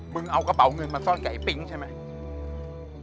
เอากระเป๋าเงินมาซ่อนกับไอปิ๊งใช่ไหม